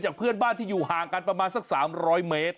เพื่อนบ้านที่อยู่ห่างกันประมาณสัก๓๐๐เมตร